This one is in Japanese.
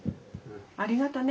ありがとね。